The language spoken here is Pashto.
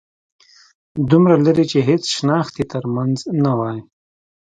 دومره لرې چې هيڅ شناخت يې تر منځ نه وای